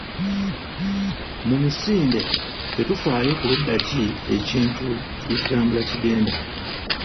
Mu misinde tetufaayo ku ludda ki ekintu gye kitambula kigenda